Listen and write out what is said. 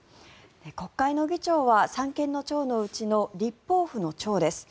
国会の議長は三権の長のうちの立法府の長です。